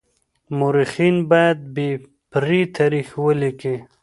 مورخين بايد بې پرې تاريخ وليکي.